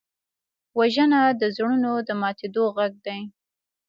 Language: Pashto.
وژنه د زړونو د ماتېدو غږ دی